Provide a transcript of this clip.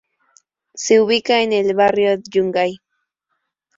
Se ubica en el Barrio Yungay.